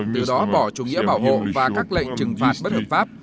từ đó bỏ chủ nghĩa bảo hộ và các lệnh trừng phạt bất hợp pháp